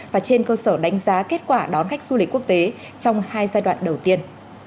và trên cơ sở đánh giá kết quả đón khách du lịch quốc tế trong hai giai đoạn đầu tiên